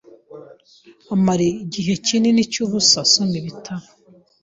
amara igihe kinini cyubusa asoma ibitabo.